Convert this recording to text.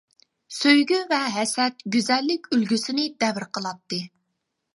سۆيگۈ ۋە ھەسەت گۈزەللىك ئۈلگىسىنى دەۋر قىلاتتى.